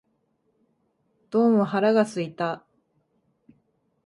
どうも腹が空いた